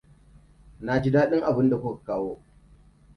Na ji daɗin abinda kuka kawo.